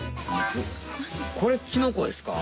これキノコですか？